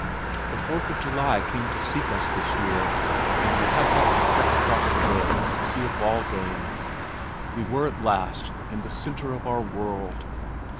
The fourth of July came to seek us this year and we had but to step across the way to see a ball game. We were at last in the center of our world.